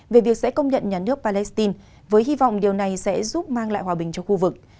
về việc sẽ công nhận nhà nước palestine với hy vọng điều này sẽ giúp mang lại hòa bình cho khu vực